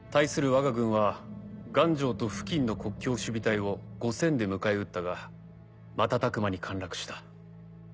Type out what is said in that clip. わが軍は丸城と付近の国境守備隊を５千で迎え撃ったが瞬く間に陥落した。